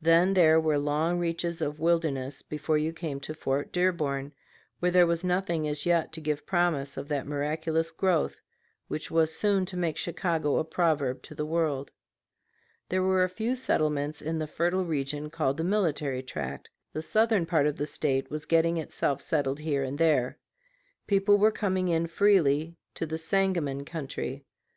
Then there were long reaches of wilderness before you came to Fort Dearborn, where there was nothing as yet to give promise of that miraculous growth which was soon to make Chicago a proverb to the world. There were a few settlements in the fertile region called the Military Tract; the southern part of the State was getting itself settled here and there. People were coming in freely to the Sangamon country.